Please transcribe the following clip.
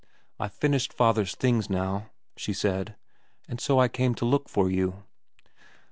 ' I've finished father's things now,' she said, ' and so I came to look for you.'